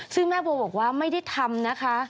ซึ่งแม่โบบอกว่าไม่ได้ทำนะคะ